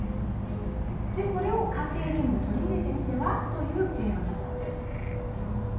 それを家庭にも取り入れてみては？という提案でした。